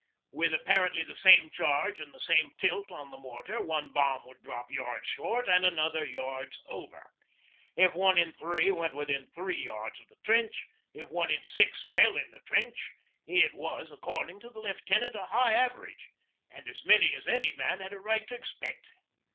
With apparently the same charge and the same tilt on the mortar, one bomb would drop yards short and another yards over. If one in three went within three yards of the trench, if one in six fell in the trench, it was, according to the lieutenant, a high average, and as much as any man had a right to expect.